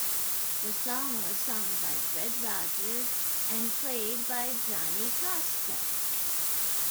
The song was sung by Fred Rogers and played by Johnny Costa.